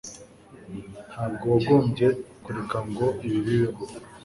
ntabwo wagombye kureka ngo ibi bibeho